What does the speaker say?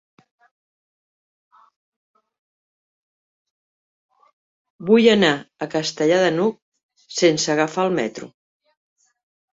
Vull anar a Castellar de n'Hug sense agafar el metro.